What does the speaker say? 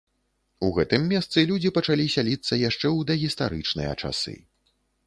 У гэтым месцы людзі пачалі сяліцца яшчэ ў дагістарычныя часы.